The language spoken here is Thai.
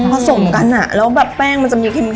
พร้อมกันอะแล้วก็แบบแป้งมันจะมีเค็ม